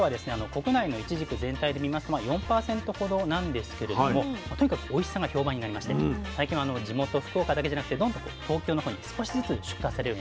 国内のいちじく全体で見ますと４％ほどなんですけれどもとにかくおいしさが評判になりまして最近は地元福岡だけじゃなくて東京の方に少しずつ出荷されるようになってきている人気品種です。